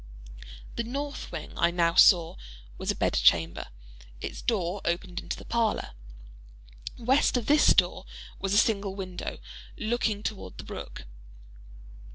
The north wing, I now saw, was a bed chamber, its door opened into the parlor. West of this door was a single window, looking toward the brook.